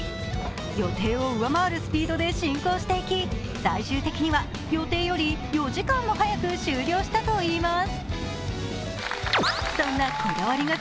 予定を上回るスピードで進行していき、最終的には予定より４時間も早く終了したといいます。